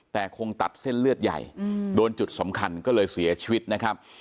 แต่คงตัดเส้นเลือดใหญ่โดนจุดสำคัญก็เลยเสียชีวิตนะครับ